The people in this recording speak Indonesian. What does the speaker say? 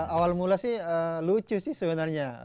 awal mula sih lucu sih sebenarnya